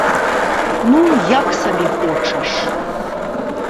Ну, як сабе хочаш!